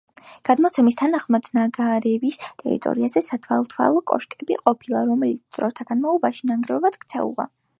გადმოცემის თანახმად ნაგარევის ტერიტორიაზე სათვალთვალო კოშკები ყოფილა, რომლებიც დროთა განმავლობაში ნანგრევებად ქცეულა.